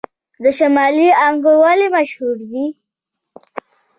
د شمالي انګور ولې مشهور دي؟